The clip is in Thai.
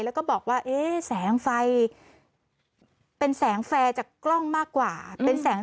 แล้วก็บอกว่าเอ๊ะแสงไฟเป็นแสงแฟร์จากกล้องมากกว่าเป็นแสง